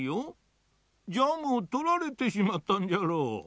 ジャムをとられてしまったんじゃろう。